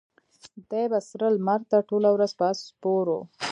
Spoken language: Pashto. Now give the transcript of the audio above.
دی به سره لمر ته ټوله ورځ پر آس سپور و.